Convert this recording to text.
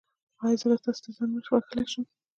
ایا زه تاسو ته زنګ وهلی شم؟